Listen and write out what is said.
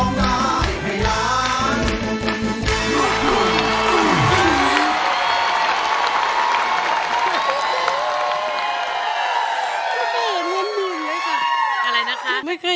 เพลงที่๒นะครับ